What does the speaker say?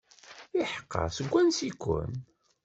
Iḥeqqa, seg wansi-ken?